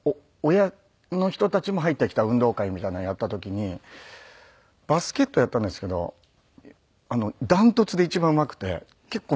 親の人たちも入ってきた運動会みたいなのをやった時にバスケットをやったんですけど断トツで一番うまくて結構びっくりして。